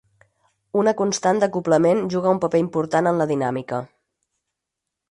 Una constant d'acoblament juga un paper important en la dinàmica.